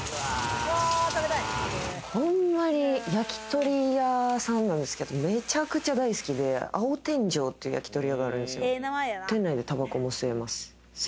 焼き鳥屋さんなんですけど、めちゃくちゃ大好きで、青天上っていう焼き鳥屋があるんですよ。